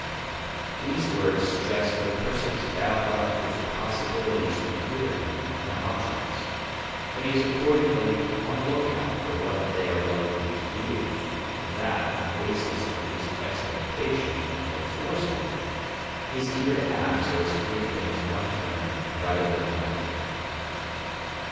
These words suggest that a person is bound up with the possibilities inhering in objects; that he is accordingly on the lookout for what they are likely to do to him; and that, on the basis of his expectation or foresight, he is eager to act so as to give things one turn rather than another.